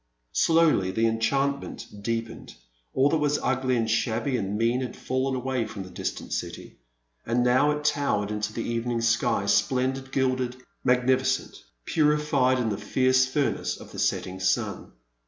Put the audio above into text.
Slowly the enchantment deepened; all that was ugly and shabby and mean had fallen away from the distant dty, and now it towered into the evening sky, splendid, gilded, magnifi cent, purified in the fierce furnace of the setting stm.